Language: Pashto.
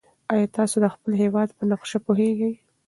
ایا تاسي د خپل هېواد په نقشه پوهېږئ؟